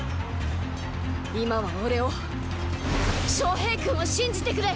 今はオレを昌平君を信じてくれ！